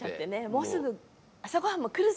もうすぐ朝ごはんも来るぞ。